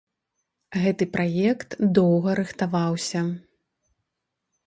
Гэты праект доўга рыхтаваўся.